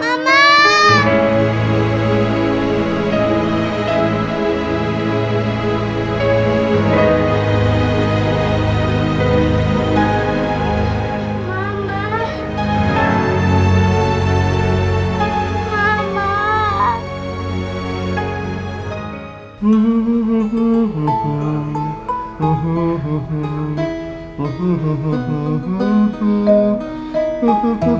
mama nggak jadi pulang